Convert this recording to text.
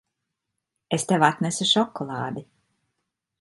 Es tev atnesu šokolādi.